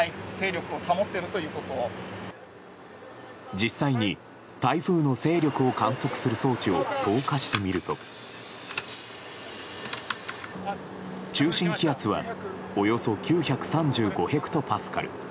実際に台風の勢力を観測する装置を投下してみると中心気圧はおよそ９３５ヘクトパスカル。